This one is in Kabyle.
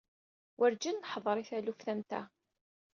Werǧin neḥḍer i taluft am ta.